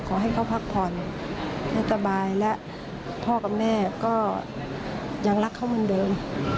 ขอให้เขาพักผ่อนให้สบายและพ่อกับแม่ก็ยังรักเขาเหมือนเดิม